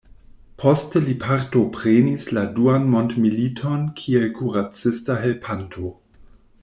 Poste li partoprenis la duan mondmiliton kiel kuracista helpanto.